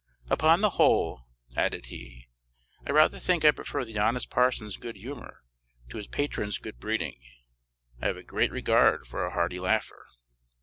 Upon the whole," added he, "I rather think I prefer the honest parson's good humor to his patron's good breeding; I have a great regard for a hearty laugher."